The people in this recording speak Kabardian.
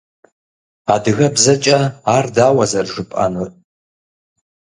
Адыгэбзэкӏэ ар дауэ зэрыжыпӏэнур?